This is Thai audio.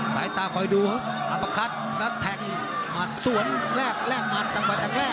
สายตาคอยดูอัฟพะคัทแล้วแทงมัดส่วนแรกแรกมัดต่างไปต่างแรก